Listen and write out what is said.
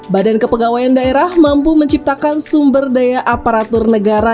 badan kepegawaian daerah mampu menciptakan sumber daya aparatur negara